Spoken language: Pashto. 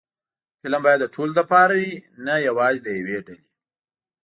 فلم باید د ټولو لپاره وي، نه یوازې د یوې ډلې